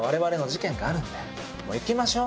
もう行きましょう！